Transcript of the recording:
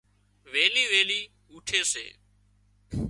ويلي ويلي اُوٺي سي